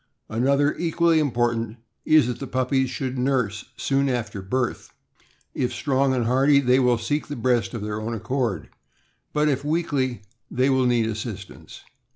Another, equally important, is that the puppies should nurse soon after birth. If strong and hardy, they will seek the breast of their own accord, but if weakly they will need assistance.